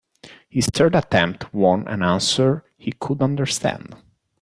His third attempt won an answer he could understand.